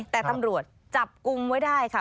แต่ตำรวจจับกลุ่มไว้ได้ค่ะ